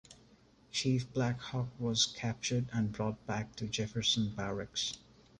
Chief Black Hawk was captured and brought back to Jefferson Barracks.